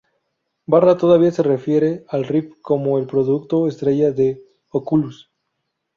Barra todavía se refiere al Rift como el producto estrella de Oculus.